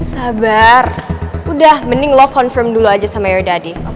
sabar udah mending lo confirm dulu aja sama yodadi